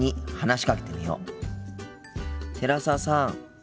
寺澤さん。